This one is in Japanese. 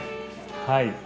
はい。